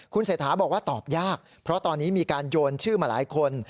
คุณเศรษฐาบอกว่าตอบยากเพราะตอนนี้มีการโยนชื่อมาหลายคน